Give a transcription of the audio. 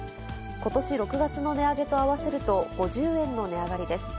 ことし６月の値上げと合わせると、５０円の値上がりです。